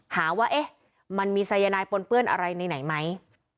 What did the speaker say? หาว่ามันมีสายนายปนเปื้อนอะไรไหนไหม